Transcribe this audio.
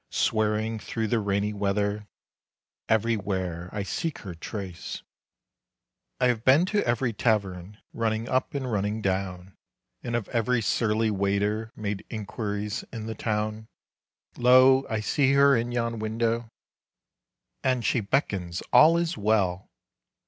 Swearing through the rainy weather, Everywhere I seek her trace. I have been to every tavern Running up and running down, And of every surly waiter Made inquiries in the town. Lo, I see her in yon window! And she beckons all is well!